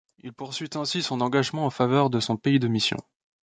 Il poursuit ainsi son engagement en faveur de son pays de mission.